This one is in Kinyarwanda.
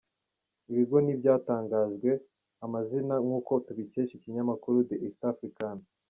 Ibi bigo ntibyatangajwe amazina nk’uko tubikesha Ikinyamakuru The EastAfrican.